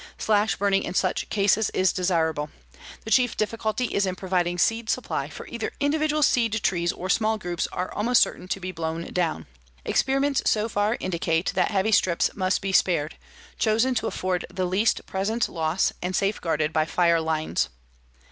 Slash burning in such cases is desirable. The chief difficulty is in providing seed supply, for either individual seed trees or small groups are almost certain to be blown down. Experiments so far indicate that heavy strips must be spared, chosen to afford the least present loss and safeguarded by fire lines.